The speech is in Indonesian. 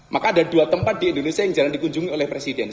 maka ada dua tempat di indonesia yang jarang dikunjungi oleh presiden